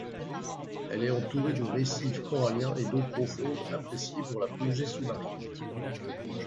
Elle est entourée de récif corallien et d'eaux profondes appréciés pour la plongée sous-marine.